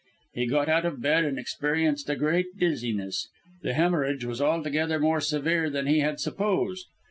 "He got out of bed and experienced a great dizziness. The hemorrhage was altogether more severe than he had supposed.